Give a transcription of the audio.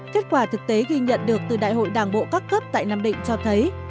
kết quả thực tế ghi nhận được từ đại hội đảng bộ các cấp tại nam định cho thấy